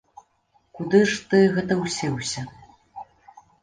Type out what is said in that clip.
Куды ж ты гэта ўсеўся?